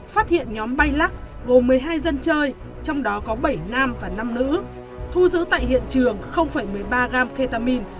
phát hiện nhóm bay lắc gồm một mươi hai dân chơi trong đó có bảy nam và năm nữ thu giữ tại hiện trường một mươi ba gram ketamine